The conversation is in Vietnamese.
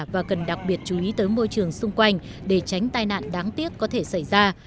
và cần đặc biệt chú ý tới môi trường xung quanh để tránh tai nạn đáng tiếc có thể xảy ra